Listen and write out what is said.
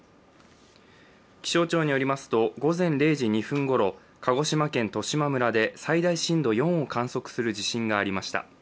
気象庁によりますと午前０時２分ごろ鹿児島県十島村で最大震度４を観測する地震がありました。